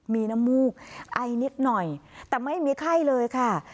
มีน้ำมูกไอนิดหน่อยแต่ไม่มีไข้เลยค่ะ